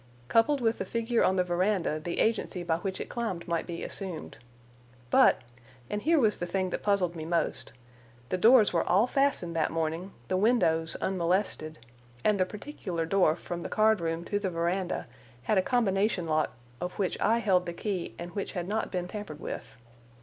Coupled with the figure on the veranda the agency by which it climbed might be assumed. But—and here was the thing that puzzled me most—the doors were all fastened that morning, the windows unmolested, and the particular door from the card room to the veranda had a combination lock of which I held the key, and which had not been tampered with.